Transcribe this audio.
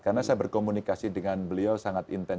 karena saya berkomunikasi dengan beliau sangat intens